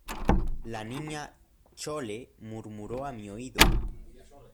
la Niña Chole murmuró a mi oído: